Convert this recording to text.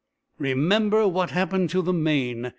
"Remember what happened to the 'Maine'!"